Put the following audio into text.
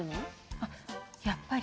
あっやっぱり？